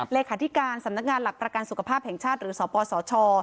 เลขาธิการสำนักงานหลักประกันสุขภาพแห่งชาติหรือสปสช